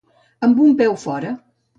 Amb un peu fora.